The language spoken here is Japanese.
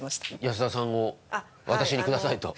「安田さんを私にください」と。